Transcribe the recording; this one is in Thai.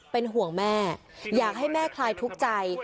เป็นห่วงแม่อยากให้แม่คลายทุกข์ใจ